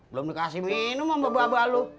belum dikasih minum mbak balu